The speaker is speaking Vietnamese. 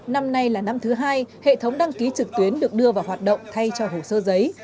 năm nay là năm thứ hai hệ thống đăng ký trực tuyến được đưa vào hoạt động thay cho hồ sơ giấy